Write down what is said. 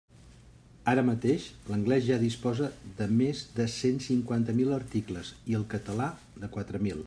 Ara mateix, l'anglès ja disposa de més de cent cinquanta mil articles i el català de quatre mil.